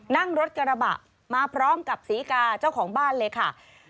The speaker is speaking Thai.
นั่งรถกระบะมาพร้อมกับศรีกาเจ้าของบ้านเลยค่ะ